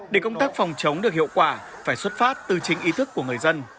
để công tác phòng chống được hiệu quả phải xuất phát từ chính ý thức của người dân